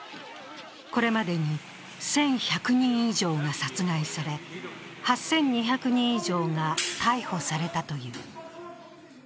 これまでに１１００人以上が殺害され８２００人以上が逮捕されたという。